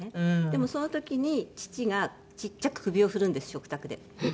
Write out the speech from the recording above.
でもその時に父がちっちゃく首を振るんです食卓で。